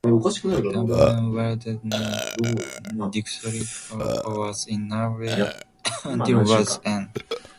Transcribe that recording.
Terboven wielded near-dictatorial powers in Norway until war's end.